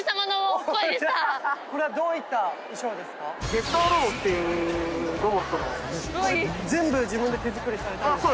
ゲッターロボっていうロボットの全部自分で手作りされたんですか？